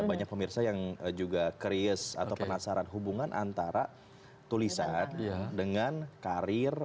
banyak pemirsa yang juga curious atau penasaran hubungan antara tulisan dengan karir